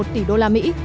hai một tỷ đô la mỹ